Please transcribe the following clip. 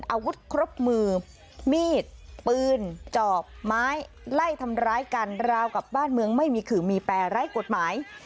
อาวุธครบมือมีดปืนจอบไม้ไล่ทำร้ายกันราวกับบ้านเมืองไม่มีขื่อมีแปรไร้กฎหมาย